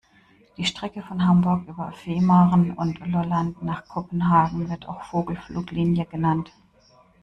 Die Strecke von Hamburg über Fehmarn und Lolland nach Kopenhagen wird auch Vogelfluglinie genannt.